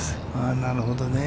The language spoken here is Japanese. なるほどね。